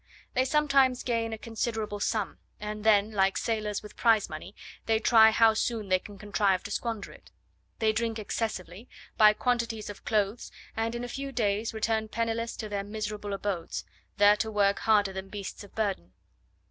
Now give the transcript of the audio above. They sometimes gain a considerable sum, and then, like sailors with prize money, they try how soon they can contrive to squander it. They drink excessively, buy quantities of clothes, and in a few days return penniless to their miserable abodes, there to work harder than beasts of burden.